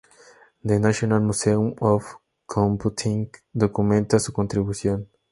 The National Museum of Computing documenta su contribución.